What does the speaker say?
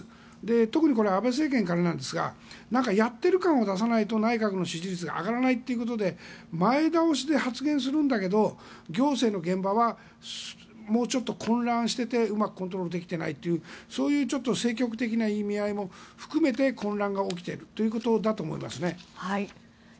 特に安倍政権からなんですがやっている感を出さないと内閣の支持率が上がらないということで前倒しで発言するんだけど行政の現場はもうちょっと混乱しててうまくコントロールできていないというそういう政局的な意味合いも含めて混乱が起きているということだと思いますね。